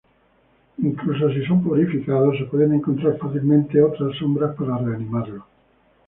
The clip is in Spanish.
Incluso si son purificados, se puede encontrar fácilmente otras sombras para reanimarlo.